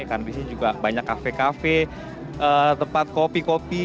karena disini juga banyak kafe kafe tempat kopi kopi